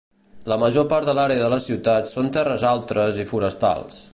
La major part de l'àrea de la ciutat són terres altres i forestals.